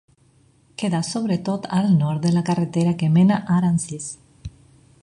Queda sobretot al nord de la carretera que mena a Aransís.